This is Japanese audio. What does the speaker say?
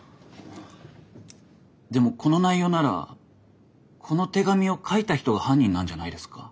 でもこの内容ならこの手紙を書いた人が犯人なんじゃないですか？